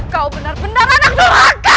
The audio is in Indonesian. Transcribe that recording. kau benar benar anak belaka